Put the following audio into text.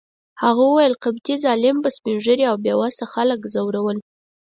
هغه وویل: قبطي ظالم به سپین ږیري او بې وسه خلک ځورول.